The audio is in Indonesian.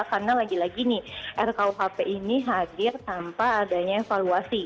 karena lagi lagi nih rkuhp ini hadir tanpa adanya evaluasi